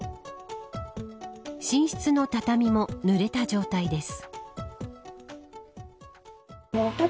寝室の畳もぬれた状態です。